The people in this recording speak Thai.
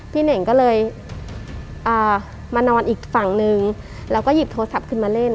เน่งก็เลยมานอนอีกฝั่งนึงแล้วก็หยิบโทรศัพท์ขึ้นมาเล่น